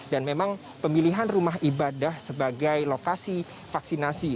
dan memang pemilihan rumah ibadah sebagai lokasi vaksinasi